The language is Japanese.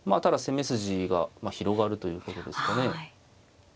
ただ攻め筋が広がるということですかね。